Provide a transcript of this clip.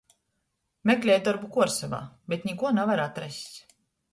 Meklej dorbu Kuorsovā, bet nikuo navar atrast.